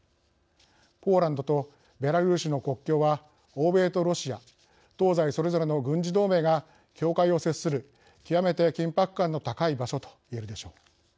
ポーランドとベラルーシの国境は欧米とロシア、東西それぞれの軍事同盟が境界を接する極めて緊迫感の高い場所といえるでしょう。